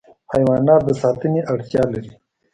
حیوانات د ساتنې اړتیا لري.